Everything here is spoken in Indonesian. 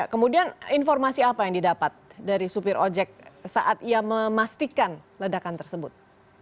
kemudian informasi apa yang didapat dari supir ojek saat ia memastikan ledakan tersebut